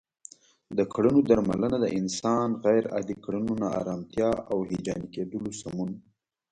د کړنو درملنه د انسان غیر عادي کړنو، ناآرامتیا او هیجاني کیدلو سمون